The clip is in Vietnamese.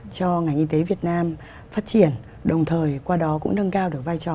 cho ngành y tế việt nam phát triển đồng thời qua đó cũng nâng cao được vai trò